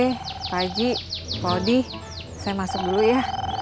haji pak wadi saya masuk dulu ya